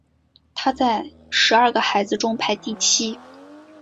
他在十二个孩子中排第七。